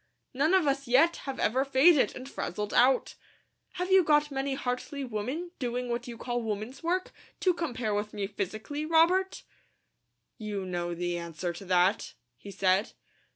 None of us yet have ever faded, and frazzled out. Have you got many Hartley women, doing what you call women's work, to compare with me physically, Robert?" "You know the answer to that," he said.